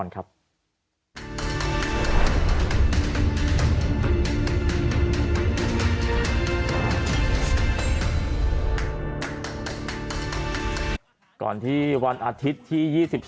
ก่อนที่วันอาทิตย์ที่๒๓